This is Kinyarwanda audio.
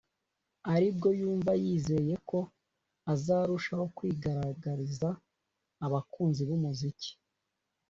aribwo yumva yizeye ko azarushaho kwigaragariza abakunzi b’umuziki